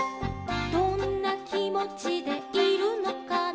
「どんなきもちでいるのかな」